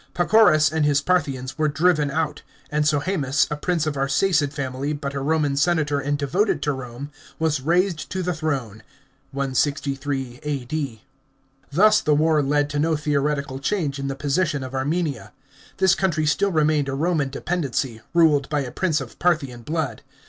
Pacorus and his Parthians were driven out, and Sohsemus, a prince of Arsacid family, but a Roman senator and devoted to Rome, was raised to the throne (163 A.D.). Thus the war led to no theoretical change in the position of Armenia. This country still remained a Roman dependency, ruled by a prince of Parthian blood.